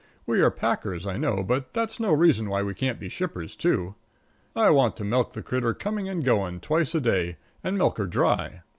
We are packers, I know, but that's no reason why we can't be shippers, too. I want to milk the critter coming and going, twice a day, and milk her dry.